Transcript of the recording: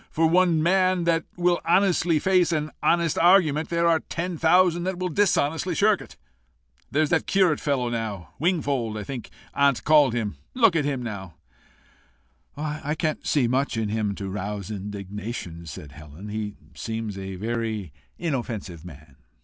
For one man that will honestly face an honest argument, there are ten thousand that will dishonestly shirk it. There's that curate fellow now Wingfold I think aunt called him look at him now!" "I can't see much in him to rouse indignation," said Helen. "He seems a very inoffensive man."